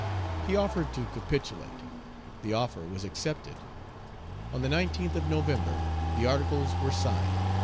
He offered to capitulate. The offer was accepted. On the 19th of November, the articles were signed.